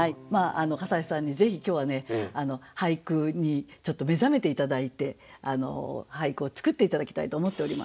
笠井さんにぜひ今日はね俳句にちょっと目覚めて頂いて俳句を作って頂きたいと思っております。